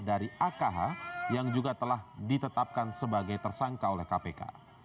dari akh yang juga telah ditetapkan sebagai tersangka oleh kpk